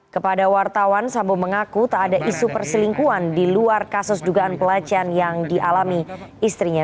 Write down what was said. kepada wartawan sambo mengaku tak ada isu perselingkuhan di luar kasus dugaan pelecehan yang dialami istrinya